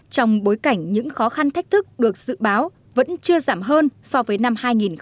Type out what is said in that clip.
trong bối cảnh những khó khăn thách thức được dự báo vẫn chưa giảm hơn so với năm hai nghìn một mươi tám